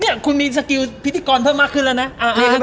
นี่คุณมีสกิลพิธีกรเพิ่มมากขึ้นแล้วนะ